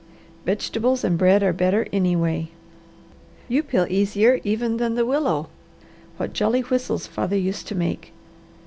Vegetables and bread are better anyway. You peel easier even than the willow. What jolly whistles father used to make!